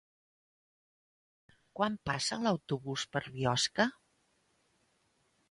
Quan passa l'autobús per Biosca?